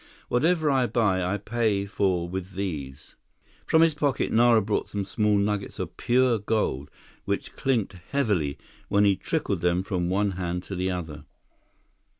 Whatever I buy, I pay for with these." From his pocket, Nara brought some small nuggets of pure gold which clinked heavily when he trickled them from one hand to the other.